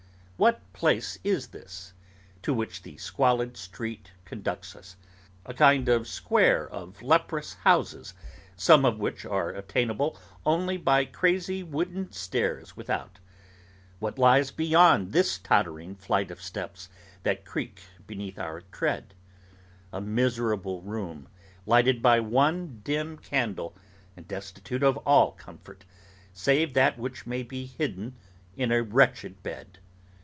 What place is this, to which the squalid street conducts us? A kind of square of leprous houses, some of which are attainable only by crazy wooden stairs without. What lies beyond this tottering flight of steps, that creak beneath our tread?—a miserable room, lighted by one dim candle, and destitute of all comfort, save that which may be hidden in a wretched bed.